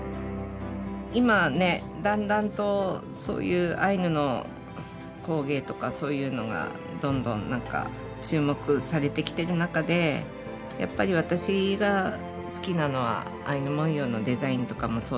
今ねだんだんとそういうアイヌの工芸とかそういうのがどんどんなんか注目されてきてる中でやっぱり私が好きなのはアイヌ文様のデザインとかもそうだし。